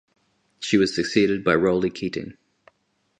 She was succeeded by Roly Keating.